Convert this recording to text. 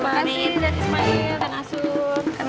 makasih dan ismail dan asun